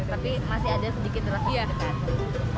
tapi masih ada sedikit rasa dekat